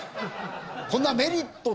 こんなメリット